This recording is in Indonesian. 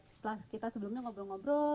setelah kita sebelumnya ngobrol ngobrol